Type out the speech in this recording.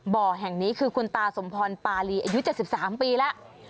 บ่อแห่งนี้คือคุณตาสมพรปาลีอายุ๗๓ปีแล้ว